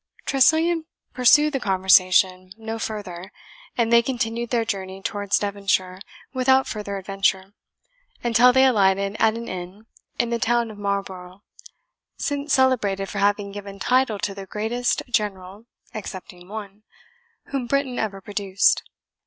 Tressilian pursued the conversation no further, and they continued their journey towards Devonshire without further adventure, until they alighted at an inn in the town of Marlborough, since celebrated for having given title to the greatest general (excepting one) whom Britain ever produced.